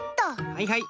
はいはい。